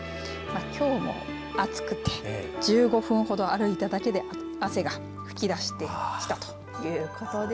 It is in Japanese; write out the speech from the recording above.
きょうも暑くて１５分ほど歩いただけで汗が噴き出してきたということです。